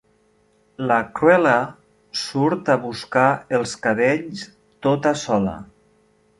La Cruella surt a buscar els cadells tota sola.